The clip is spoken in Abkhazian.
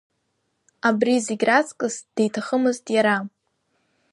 Абри зегь ракҵыс диҭахымызт иара.